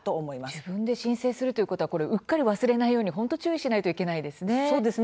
自分で申請するということはうっかり忘れないように注意しないといけないですね。